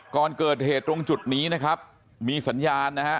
ก่อนเกิดเหตุตรงจุดนี้นะครับมีสัญญาณนะฮะ